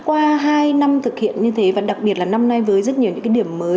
qua hai năm thực hiện như thế và đặc biệt là năm nay với rất nhiều những cái điểm mới